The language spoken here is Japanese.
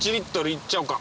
行っちゃおうか。